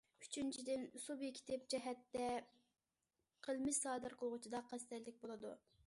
ئۈچىنچىدىن، سۇبيېكتىپ جەھەتتە قىلمىش سادىر قىلغۇچىدا قەستەنلىك بولىدۇ.